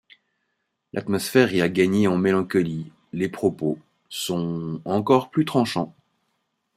L'atmosphère y a gagné en mélancolie, les propos sont encore plus tranchants.